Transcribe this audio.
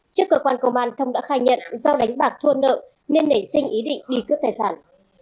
trước cơ quan công an thông đã khai nhận do đánh bạc thua nợ nên nảy sinh ý định đi cướp tài sản